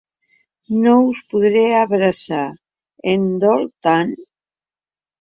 No us podré abraçar… Em dol tant!